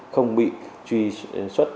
không bị truy xuất